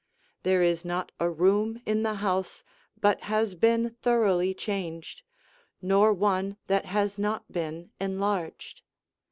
There is not a room in the house but has been thoroughly changed, nor one that has not been enlarged.